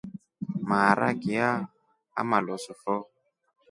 Maaraki ya amalosu fo.